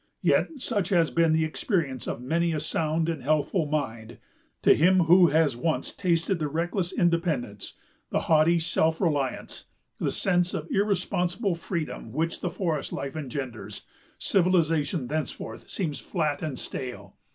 Yet such has been the experience of many a sound and healthful mind. To him who has once tasted the reckless independence, the haughty self reliance, the sense of irresponsible freedom, which the forest life engenders, civilization thenceforth seems flat and stale.